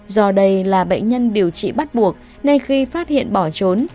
do đây là bệnh nhân điều trị bắt buộc nên khi phát hiện bỏ trốn